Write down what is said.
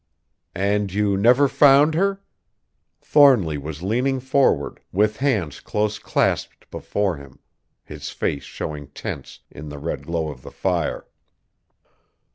"And you never found her?" Thornly was leaning forward with hands close clasped before him, his face showing tense in the red glow of the fire.